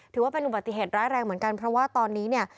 ถือว่าเป็นอุบัติเหตุร้ายแรงเหมือนกันเพราะว่าตอนนี้เนี่ย